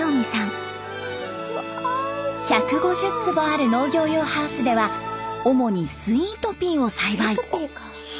１５０坪ある農業用ハウスでは主にスイートピーを栽培。